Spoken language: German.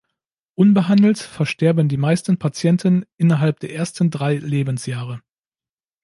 Unbehandelt versterben die meisten Patienten innerhalb der ersten drei Lebensjahre.